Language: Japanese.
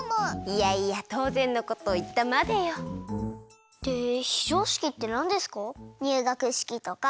いやいやとうぜんのことをいったまでよ。ってひじょうしきってなんですか？